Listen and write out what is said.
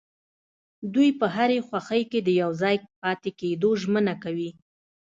دوی په هرې خوښۍ کې د يوځای پاتې کيدو ژمنه کوي.